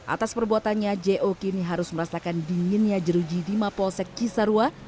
atas perbuatannya jo kini harus merasakan dinginnya jeruji di mapolsek cisarua